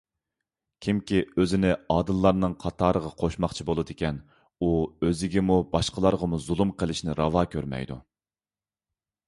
كىمكى ئۆزىنى ئادىللارنىڭ قاتارىغا قوشماقچى بولىدىكەن، ئۇ ئۆزىگىمۇ، باشقىلارغىمۇ زۇلۇم قىلىشنى راۋا كۆرمەيدۇ.